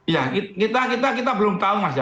ya kita belum tahu mas ya